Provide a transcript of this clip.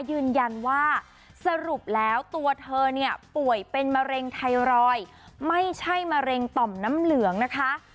ยืนยันว่าสรุปแล้วตัวเธอเนี่ยป่วยเป็นมะเร็งไทรอยด์ไม่ใช่มะเร็งต่อมน้ำเหลืองนะคะ